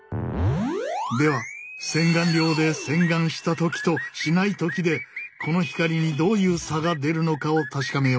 では洗顔料で洗顔した時としない時でこの光にどういう差が出るのかを確かめよう。